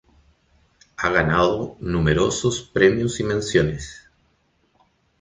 Ha ganado numerosos premios y menciones.